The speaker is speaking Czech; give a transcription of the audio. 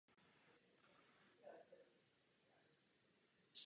Konstrukce pohonu byla tajná a tak nebyly vytvořeny žádné obrázky nebo filmové klipy.